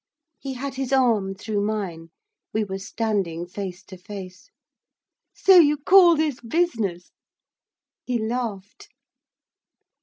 He had his arm through mine. We were standing face to face. 'So you call this business!' He laughed.